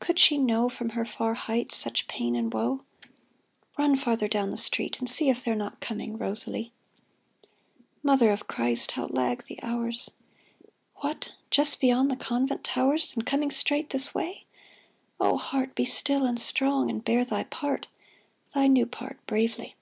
Could she know From her far heights such pain and woe ?— Run farther down the street, and see If they're not coming, Rosalie I Mother of Christ ! how lag the hours ! What ? just beyond the convent towers, And coming straight this way ? O heart, Be still and strong, and bear thy part. Thy new part, bravely.